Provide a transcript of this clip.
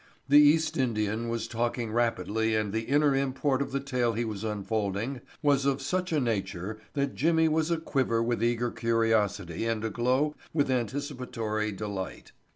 The East Indian was talking rapidly and the inner import of the tale he was unfolding was of such a nature that Jimmy was aquiver with eager curiosity and aglow with anticipatory delight.